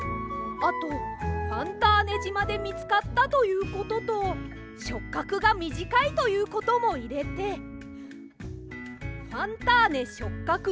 あとファンターネじまでみつかったということとしょっかくがみじかいということもいれて「ファンターネしょっかく